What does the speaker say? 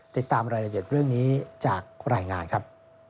ติดตามรายละเอียดเรื่องนี้จากรายงานครับ